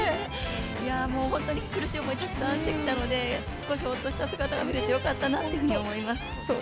本当に苦しい思いをたくさんしてきたので、少しホッとした姿がみれて、よかったなと思います。